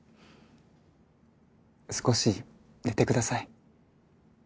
少し寝てください